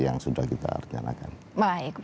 yang sudah kita rencanakan malah ya terima kasih